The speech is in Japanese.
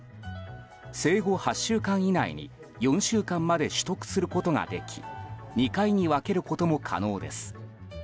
生後８週間以内に４週間まで取得することができ２回に分けることも可能です。